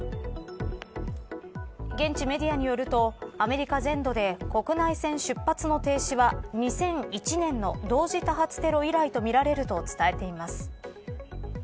現地メディアによるとアメリカ全土で国内線出発の停止は２００１年の同時多発テロ以来とみられると伝えています。